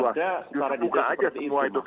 soalnya ini belum ada cara diperbuat seperti itu